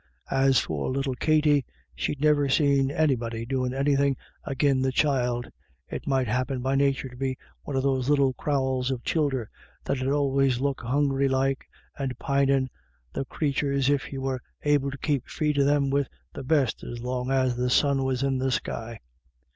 As for little Katty, " she'd never seen anybody doin' anythin' agin the child ; it might happen by nature to be one of those little crowls of childer, that 'ud always look hungry like and pinin', the crathurs, if you were able to keep feedin' them wid the best as long as the sun was in the sky."